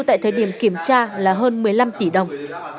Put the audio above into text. tại thời điểm kiểm tra là hơn một mươi năm tỷ đồng